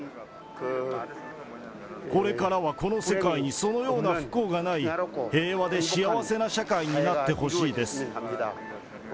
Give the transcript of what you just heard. これからはこの世界にそのような不幸がない、平和で幸せな社会になってほしいです。